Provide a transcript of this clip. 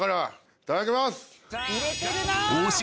いただきます！